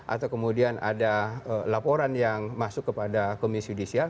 atau kemudian ada laporan yang masuk kepada komisi judisial